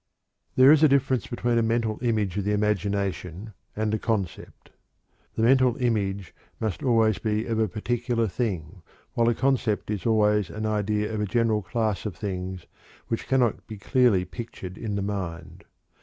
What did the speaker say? There is a difference between a mental image of the imagination and a concept. The mental image must always be of a particular thing, while the concept is always an idea of a general class of things which cannot be clearly pictured in the mind.